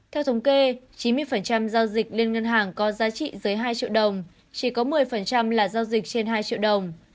theo thống kê chín mươi giao dịch liên ngân hàng có giá trị dưới hai triệu đồng chỉ có một mươi là giao dịch trên hai triệu đồng